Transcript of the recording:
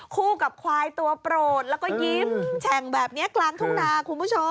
คู่กับควายตัวโปรดแล้วก็ยิ้มแฉ่งแบบนี้กลางทุ่งนาคุณผู้ชม